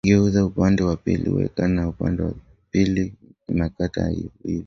Geuza upande wa pili weka na upande wa pili makate uive